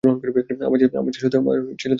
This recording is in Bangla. তার ছেলে তো ওকে খেয়ে ফেলছিল না।